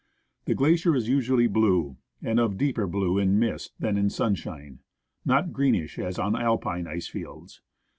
The glacier is usually blue — and of deeper blue in mist than in sunshine — not greenish, as on Alpine ice fields.